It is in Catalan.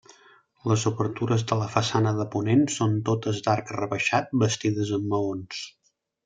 Les obertures de la façana de ponent són totes d'arc rebaixat, bastides amb maons.